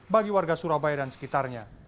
bagi warga surabaya dan sekitarnya